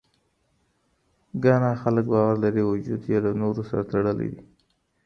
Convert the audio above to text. ګانا خلک باور لري، وجود یې له نورو سره تړلی دی.